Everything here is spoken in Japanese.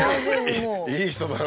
いい人だな。